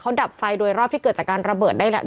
ดับไฟโดยรอบที่เกิดจากการระเบิดได้แล้ว